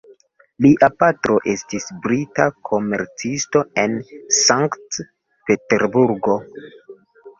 Lia patro estis brita komercisto en Sankt-Peterburgo.